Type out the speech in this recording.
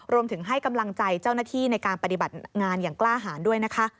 รวมถึงให้กำลังใจเจ้าหน้าที่ในการปฏิบัติงานอย่างกล้าหารด้วยนะคะ